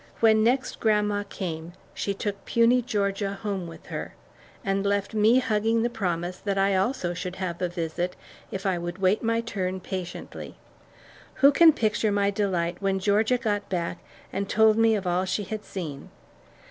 When next grandma came she took puny Georgia home with her, and left me hugging the promise that I also should have a visit, if I would await my turn patiently. Who can picture my delight when Georgia got back and told me of all she had seen?